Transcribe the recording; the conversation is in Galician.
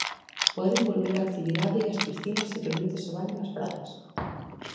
Poden volver á actividade as piscinas e permítese o baño nas praias.